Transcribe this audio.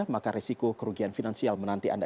maka resiko kerugian finansial menanti anda